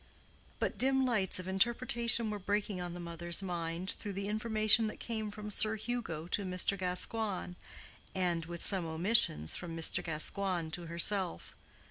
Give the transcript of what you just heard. But dim lights of interpretation were breaking on the mother's mind through the information that came from Sir Hugo to Mr. Gascoigne, and, with some omissions, from Mr. Gascoigne to herself.